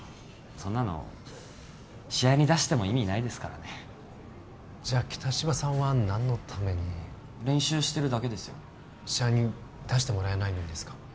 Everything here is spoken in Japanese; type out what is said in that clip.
そんなの試合に出しても意味ないですからねじゃあ北芝さんは何のために練習してるだけですよ試合に出してもらえないのにですか？